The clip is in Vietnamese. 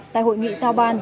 tại hội nghị giao ban